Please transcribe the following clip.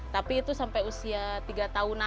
tapi itu sampai usia tiga tahunan